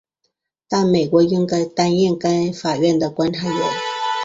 但美国仍担任该法院的观察员。